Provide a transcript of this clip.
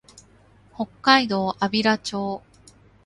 北海道安平町